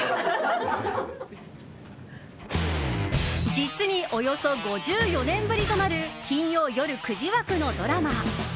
実に、およそ５４年ぶりとなる金曜夜９時枠のドラマ。